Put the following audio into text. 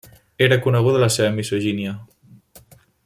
Era coneguda la seva misogínia.